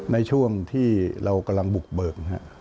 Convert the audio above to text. ในช่วงที่เรากำลังบุกเบิก